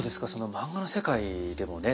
漫画の世界でもね